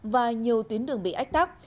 và nhiều tuyến đường bị ách tắc